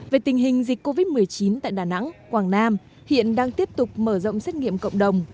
về tình hình dịch covid một mươi chín tại đà nẵng quảng nam hiện đang tiếp tục mở rộng xét nghiệm cộng đồng